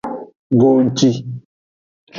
Godi.